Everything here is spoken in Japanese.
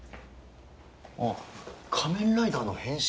あっ『仮面ライダー』の変身